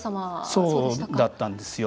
そうだったんですよ。